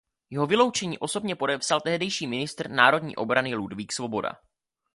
Jeho vyloučení osobně podepsal tehdejší ministr národní obrany Ludvík Svoboda.